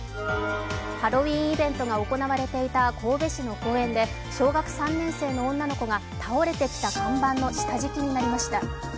ハロウィーンイベントが行われていた神戸市の公園で小学３年生の女の子が倒れてきた看板の下敷きになりました。